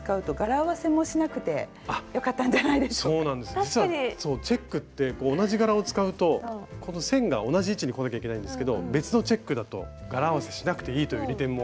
実はチェックって同じ柄を使うとこの線が同じ位置にこなきゃいけないんですけど別のチェックだと柄合わせしなくていいという利点も。